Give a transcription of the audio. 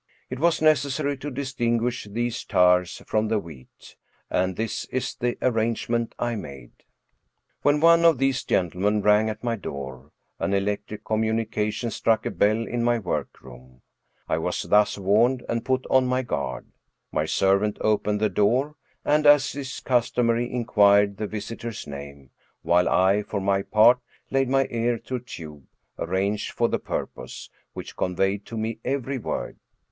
It was necessary to distinguish the tares from the wheat, and this is the arrangement I made : When one of these gentlemen rang at my door, an elec tric communication struck a bell in my workroom ; I was thus warned and put on my guard. My servant opened the door, and, as is customary, inquired the visitor's name, while I, for my part, laid my ear to a tube, arranged for the purpose, which conveyed to me every word.